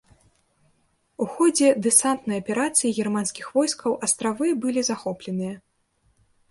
У ходзе дэсантнай аперацыі германскіх войскаў астравы былі захопленыя.